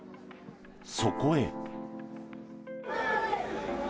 そこへ。